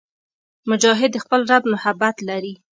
مجاهد د خپل رب محبت لري.